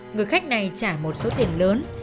người khách này trả một số tiền lớn